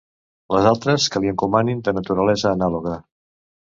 Les altres que li encomanin de naturalesa anàloga.